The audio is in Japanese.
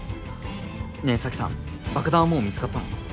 ねえ沙樹さん爆弾はもう見つかったの？